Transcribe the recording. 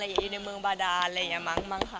อยู่ในเมืองบาดานอะไรอย่างนี้มั้งค่ะ